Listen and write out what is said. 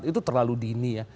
itu terlalu dini ya